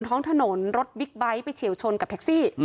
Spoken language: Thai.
ท้องถนนรถบิ๊กไบท์ไปเฉียวชนกับแท็กซี่